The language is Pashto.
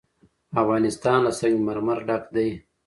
افغانستان له سنگ مرمر ډک دی.